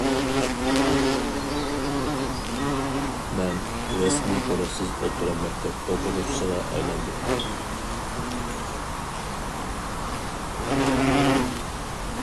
مەن رەسمىي تولۇقسىز ئوتتۇرا مەكتەپ ئوقۇغۇچىسىغا ئايلاندىم.